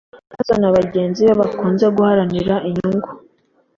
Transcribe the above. ibibazo na bagenzi be bakunze guharanira inyungu